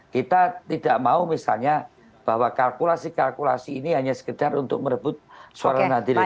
kita tidak mau misalnya bahwa kalkulasi kalkulasi ini hanya sekedar untuk merebut suara hati rakyat